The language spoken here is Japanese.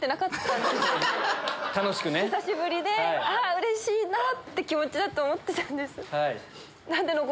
久しぶりでうれしいなって気持ちだと思ってたんです。